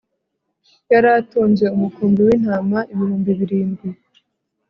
yari atunze umukumbi w'intama ibihumbi birindwi